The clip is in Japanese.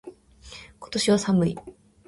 今年は寒い。